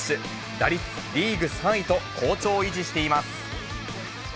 打率リーグ３位と好調を維持しています。